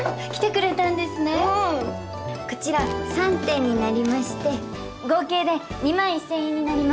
こちら３点になりまして合計で２万１，０００円になります。